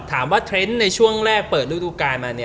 ถามว่าเทรนด์ในช่วงแรกเปิดลูกตัวการมา